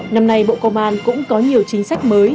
năm nay bộ công an cũng có nhiều chính sách mới